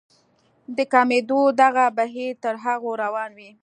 د کمېدو دغه بهير تر هغو روان وي.